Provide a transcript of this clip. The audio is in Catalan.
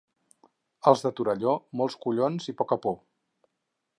Els de Torelló, molts collons i poca por.